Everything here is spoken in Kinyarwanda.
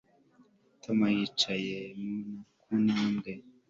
Tom yicaye ku ntambwe